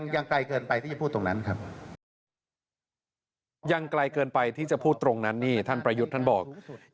ยังไกลเกินไปที่จะพูดตรงนั้นนี่ท่านประยุทธ์ท่านบอก